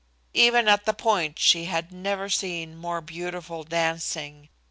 Even at the Point she had never seen more beautiful dancing.